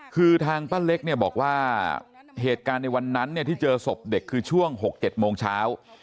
คือทางป้าเล็กเนี่ยบอกว่าเหตุการณ์ในวันนั้นที่เจอศพเด็กคือช่วง๖๗โมงเช้า